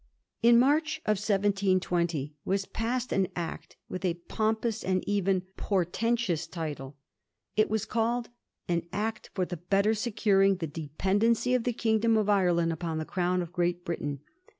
In March 1720 was passed an Act with a pompous and even portentous title : it was called ' An Act for the better securing the Dependency of the Kingdom of Ireland upon the Crown of Great Britain.'